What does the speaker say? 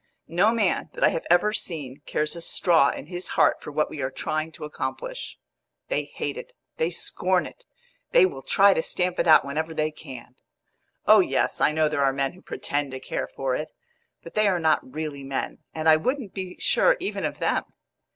No man that I have ever seen cares a straw in his heart for what we are trying to accomplish. They hate it; they scorn it; they will try to stamp it out whenever they can. Oh yes, I know there are men who pretend to care for it; but they are not really men, and I wouldn't be sure even of them!